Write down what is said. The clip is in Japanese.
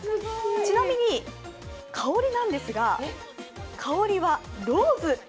ちなみに、香りなんですが、香りはローズ。